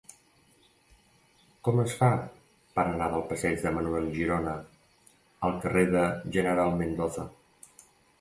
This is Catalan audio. Com es fa per anar del passeig de Manuel Girona al carrer del General Mendoza?